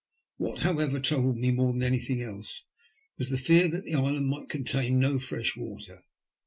What, however, troubled me more than anything else, was the fear that the island might contain no fresh water.